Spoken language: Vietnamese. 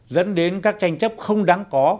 dẫn đến các tranh chấp không đáng có